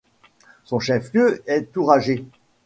Son chef-lieu est Tauragė.